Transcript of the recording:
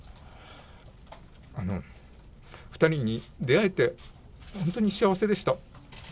２人に出会えて、本当に幸せでした。